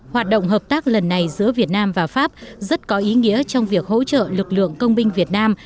hoạt động hợp tác lần này giữa việt nam và pháp rất có ý nghĩa trong việc hỗ trợ lực lượng công binh việt nam